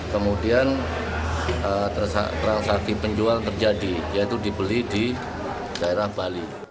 kemudian transaksi penjual terjadi yaitu dibeli di daerah bali